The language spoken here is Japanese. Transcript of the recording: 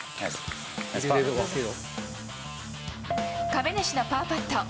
亀梨のパーパット。